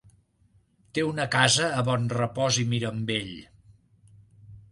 Té una casa a Bonrepòs i Mirambell.